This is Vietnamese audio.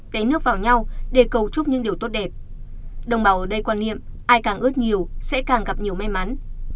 té nước vào nhau để cầu chúc những điều tốt đẹp đồng bào ở đây quan niệm ai càng ướt nhiều sẽ càng gặp nhiều may mắn